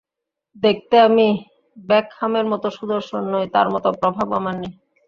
দেখতে আমি বেকহামের মতো সুদর্শন নই, তাঁর মতো প্রভাবও আমার নেই।